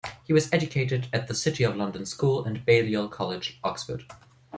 He was educated at the City of London School and Balliol College, Oxford.